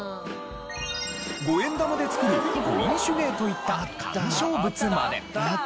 ５円玉で作るコイン手芸といった鑑賞物まで。